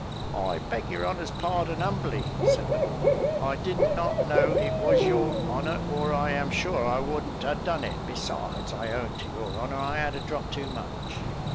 "I beg your honour's pardon, humbly," said the woman; "I did not know it was your honour, or I am sure I wouldn't a done it; besides, I own to your honour, I had a drop too much."